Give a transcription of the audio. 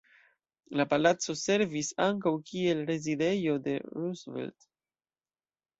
La palaco servis ankaŭ kiel rezidejo de Roosevelt.